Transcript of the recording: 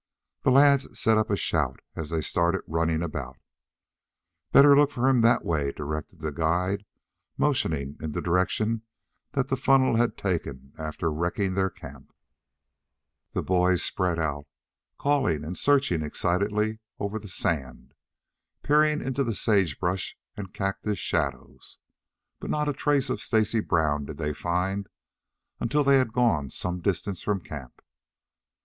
The lads set up a shout as they started running about "Better look for him that way," directed the guide, motioning in the direction that the funnel had taken after wrecking their camp. The boys spread out, calling and searching excitedly over the sand, peering into the sage brush and cactus shadows. But not a trace of Stacy Brown did they find, until they had gone some distance from camp.